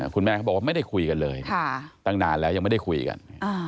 คุณแม่เขาบอกว่าไม่ได้คุยกันเลยตั้งนานแล้วยังไม่ได้คุยกัน